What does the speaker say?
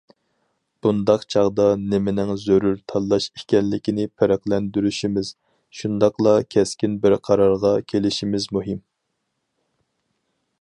بۇنداق چاغدا نېمىنىڭ زۆرۈر تاللاش ئىكەنلىكىنى پەرقلەندۈرۈشىمىز، شۇنداقلا كەسكىن بىر قارارغا كېلىشىمىز مۇھىم.